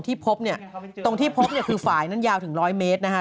ที่พบเนี่ยตรงที่พบเนี่ยคือฝ่ายนั้นยาวถึงร้อยเมตรนะคะ